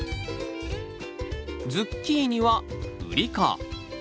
ズッキーニはウリ科。